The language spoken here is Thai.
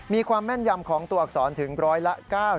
มีความแม่นยำของตัวอักษรถึงร้อยละ๙๐